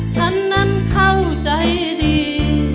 ฉันนั้นเข้าใจดี